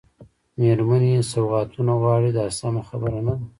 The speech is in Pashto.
مېرمنې سوغاتونه غواړي دا سمه خبره نه ده.